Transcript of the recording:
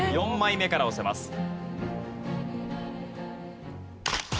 ４枚目から押せます。＃